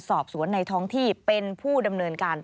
สอบสวนในท้องที่เป็นผู้ดำเนินการ